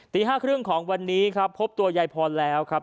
ตี๕๓๐ของวันนี้ครับพบตัวยายพรแล้วครับ